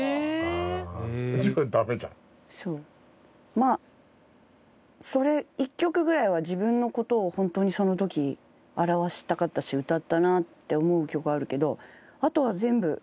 まあそれ１曲ぐらいは自分の事を本当にその時表したかったし歌ったなって思う曲あるけど。